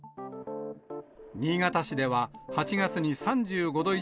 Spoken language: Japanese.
新潟市では、８月に３５度以